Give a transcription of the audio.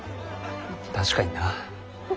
確かにな。